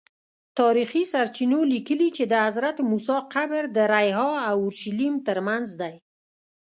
تاریخي سرچینو لیکلي چې د حضرت موسی قبر د ریحا او اورشلیم ترمنځ دی.